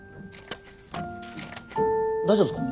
大丈夫ですか？